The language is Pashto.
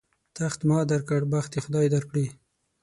تخت ما در کړ، بخت دې خدای در کړي.